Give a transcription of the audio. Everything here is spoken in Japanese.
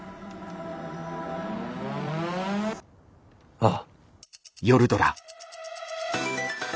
ああ。